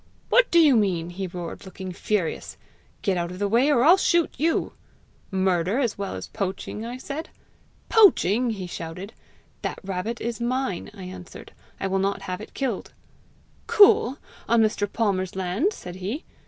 'What do you mean?' he roared, looking furious. 'Get out of the way, or I'll shoot you.' 'Murder as well as poaching!' I said. 'Poaching!' he shouted. 'That rabbit is mine,' I answered; 'I will not have it killed.' 'Cool! on Mr. Palmer's land!' said he.